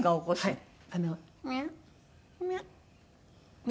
はい。